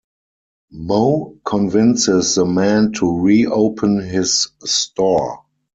Moe convinces the man to re-open his store.